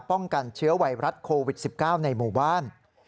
ป้องกันเชื้อวัยรัฐโควิด๑๙ในหมู่บ้าน